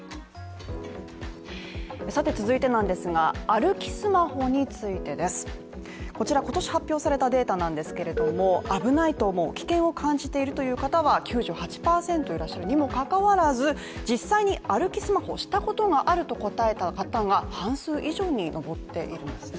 さて続いてなんですが、歩きスマホについてです。こちら今年発表されたデータなんですけれども、危ないと思う危険を感じているという方は９８％いらっしゃるにも関わらず、実際に歩きスマホしたことがあると答えた方が半数以上に上っているんですね